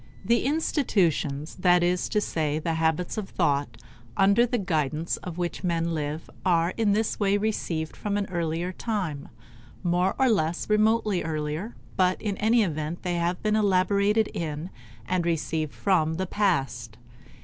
The institutions that is to say the habits of thought under the guidance of which men live are in this way received from an earlier time; more or less remotely earlier, but in any event they have been elaborated in and received from the past.